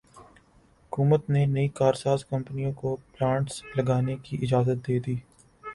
حکومت نے نئی کارساز کمپنیوں کو پلانٹس لگانے کی اجازت دیدی